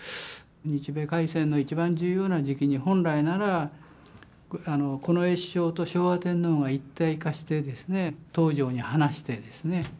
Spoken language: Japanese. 日米開戦の一番重要な時期に本来なら近衛首相と昭和天皇が一体化してですね東條に話してですね